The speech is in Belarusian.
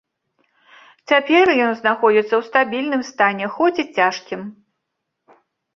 Цяпер ён знаходзіцца ў стабільным стане, хоць і цяжкім.